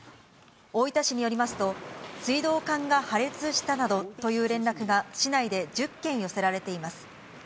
大分市によりますと、水道管が破裂したなどという連絡が、市内で１０件寄せられています。